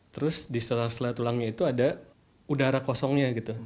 terus di selera selera tulangnya itu ada udara kosongnya